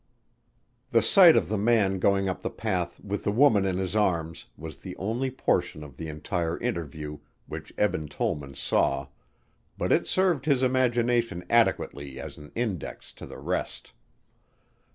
The sight of the man going up the path with the woman in his arms was the only portion of the entire interview which Eben Tollman saw, but it served his imagination adequately as an index to the rest.